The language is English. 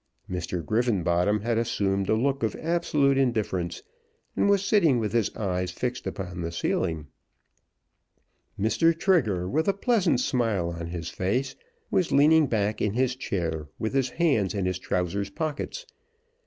Mr. Griffenbottom had assumed a look of absolute indifference, and was sitting with his eyes fixed upon the ceiling. Mr. Trigger, with a pleasant smile on his face, was leaning back in his chair with his hands in his trousers pockets.